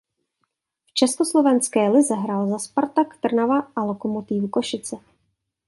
V československé lize hrál za Spartak Trnava a Lokomotívu Košice.